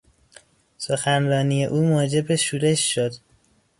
سخنرانی او موجب شورش شد.